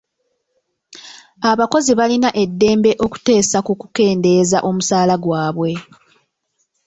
Abakozi balina eddembe okuteesa ku kukendeeza omusaala gwabwe.